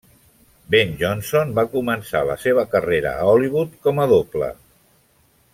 Ben Johnson va començar la seva carrera a Hollywood com a doble.